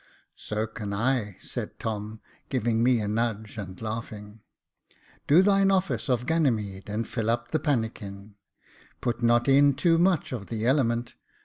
" So can I," said Tom, giving me a nudge, and laughing. Do thine office of Ganymede, and fill up the pannikin : put not in too much of the element.